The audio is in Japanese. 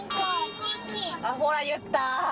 ほら、言った。